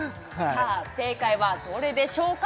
さあ正解はどれでしょうか？